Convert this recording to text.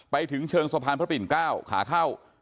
ไปถึงเชิงสะพานพระปิ่น๙ขาเข้า